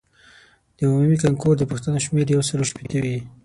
د عمومي کانکور د پوښتنو شمېر یو سلو شپیته وي.